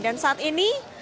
dan saat ini